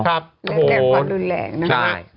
แหลกกว่ารุ่นแหล่งนะค่ะใช่